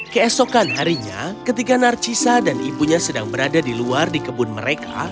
keesokan harinya ketika narcisa dan ibunya sedang berada di luar di kebun mereka